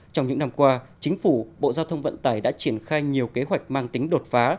trong những năm qua chính phủ bộ giao thông vận tải đã triển khai nhiều kế hoạch mang tính đột phá